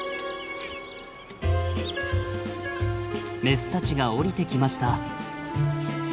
メスたちが下りてきました。